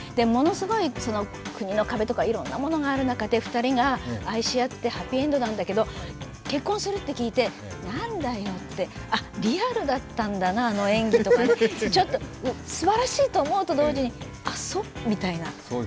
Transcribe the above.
ものすごい国の壁とかいろんなものがある中で２人が愛し合ってハッピーエンドなんだけど、結婚するって聞いて、なんだよってリアルだったんだな、あの演技って、すばらしいと思うと同時に、ああそう、みたいな。